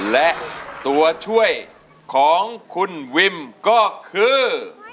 และตัวช่วยของคุณวิมก็คือ